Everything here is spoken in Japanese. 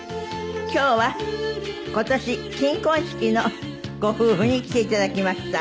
今日は今年金婚式のご夫婦に来て頂きました。